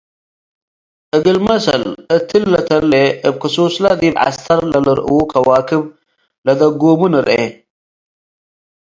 እግል መሰል እትሊ ለተሌ እብ ክሱስለ ዲብ ዐስተር ለልርእዉ ከዋክብ ለዳጉሙ ንርኤ።